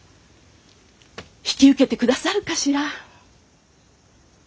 引き受けてくださるかしら？